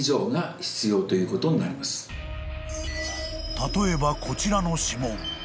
［例えばこちらの指紋］